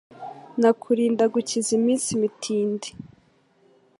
Nakurinde agukize iminsi mitindi